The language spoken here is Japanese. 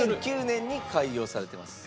２００９年に開業されてます。